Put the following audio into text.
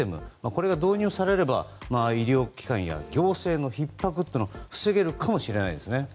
これが導入されれば医療機関や行政のひっ迫は防げるかもしれないですね。